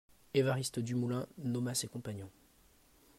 Évariste Dumoulin nomma ses compagnons.